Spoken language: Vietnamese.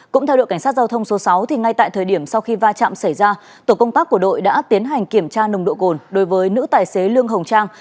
cũng theo đội cảnh sát giao thông số sáu ngay tại thời điểm sau khi va chạm xảy ra tổ công tác của đội đã tiến hành kiểm tra nồng độ cồn đối với nữ tài xế lương hồng trang